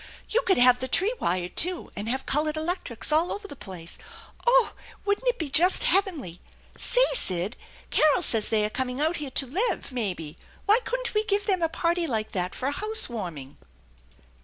You could have the tree wired, too, and have colored electrics all over the place. Oh ! wouldn't it be just heavenly? Say, Sid, Carol says they are coming out here to live, maybe; why couldn't we give them a party like that for a house warming